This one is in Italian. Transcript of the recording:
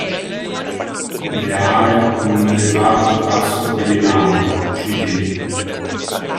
Le aree con un elevato Tasso criminale, cd.